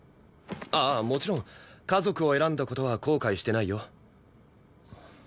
ああもちろん家族を選んだ事は後悔してないよ。